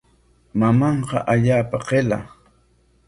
Mamanqa allaapa qilla.